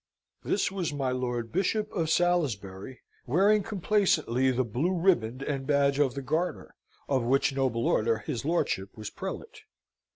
This was my Lord Bishop of Salisbury, wearing complacently the blue riband and badge of the Garter, of which Noble Order his lordship was prelate.